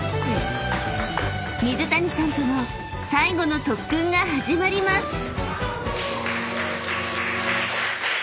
［水谷さんとの最後の特訓が始まります］